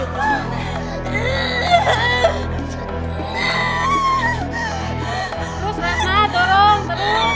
terus raffa tolong terus